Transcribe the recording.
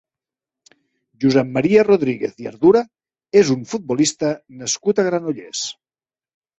Josep Maria Rodríguez i Ardura és un futbolista nascut a Granollers.